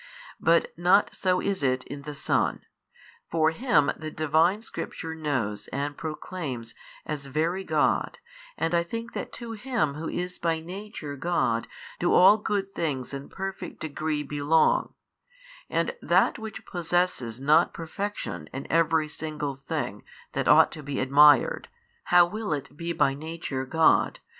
But not so is it in the Son; for Him the Divine Scripture knows and proclaims as Very God and I think that to Him Who is by Nature God do all good things in perfect degree belong, and that which possesses not perfection in every single thing that ought to be admired, how will it be by Nature God?